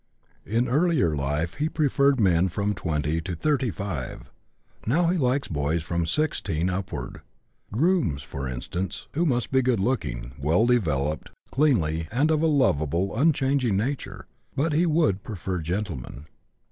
In earlier life he preferred men from 20 to 35; now he likes boys from 16 upward; grooms, for instance, who must be good looking, well developed, cleanly, and of a lovable, unchanging nature; but he would prefer gentlemen.